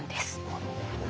なるほどね。